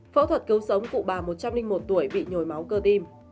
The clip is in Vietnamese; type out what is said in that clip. phẫu thuật cứu sống cụ bà một trăm linh một tuổi bị nhồi máu cơ tim